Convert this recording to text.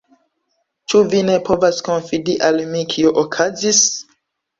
Ĉu vi ne povas konfidi al mi, kio okazis?